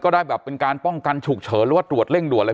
ได้แบบเป็นการป้องกันฉุกเฉินหรือว่าตรวจเร่งด่วนอะไร